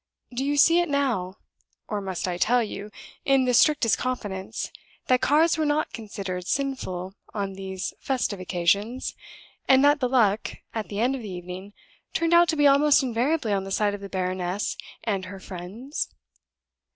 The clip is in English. Do you see it now? or must I tell you, in the strictest confidence, that cards were not considered sinful on these festive occasions, and that the luck, at the end of the evening, turned out to be almost invariably on the side of the baroness and her friends?